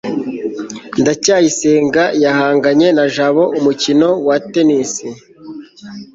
ndacyayisenga yahanganye na jabo umukino wa tennis